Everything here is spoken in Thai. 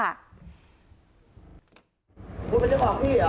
คุณเป็นเจ้าของพี่เหรอ